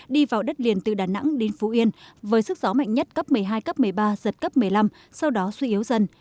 đi vào đất liền từ đà nẵng đến phú yên với sức gió mạnh nhất cấp một mươi hai cấp một mươi ba giật cấp một mươi năm sau đó suy yếu dần